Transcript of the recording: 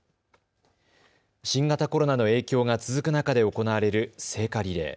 新型コロナの影響が続く中で行われる聖火リレー。